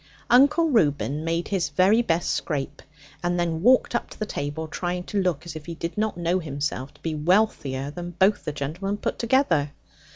Uncle Reuben made his very best scrape, and then walked up to the table, trying to look as if he did not know himself to be wealthier than both the gentlemen put together.